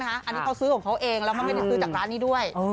อันนี้เขาซื้อของเขาเองแล้วก็ไม่ได้ซื้อจากร้านนี้ด้วย